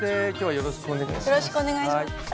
よろしくお願いします。